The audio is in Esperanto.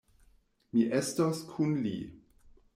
Mi estos kun li.